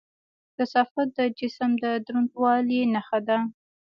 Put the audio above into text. کثافت د جسم د دروندوالي نښه ده.